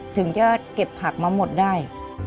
ถึงจะเก็บผักมาหมดได้